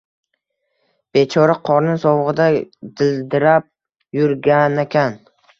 -Bechora qorning sovug’ida dildirab yurganakan…